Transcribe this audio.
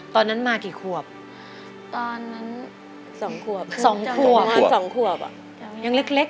ตอนนั้นมากี่ควบสองควบยังเล็ก